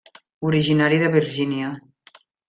Originari de Virgínia.